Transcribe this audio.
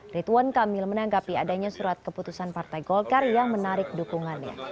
rituan kamil menanggapi adanya surat keputusan partai golkar yang menarik dukungannya